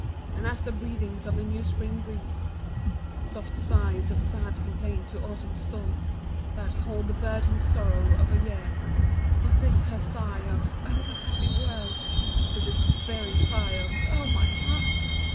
And as the breathings of the new spring breeze, Soft sights of sad complaint, to autumn's storms That hold the burdened sorrow of a year, Was this, her sigh of, "oh, the happy world!" To this despairing cry of, "oh, my heart!"